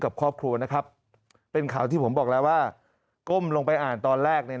กับครอบครัวนะครับเป็นข่าวที่ผมบอกแล้วว่าก้มลงไปอ่านตอนแรก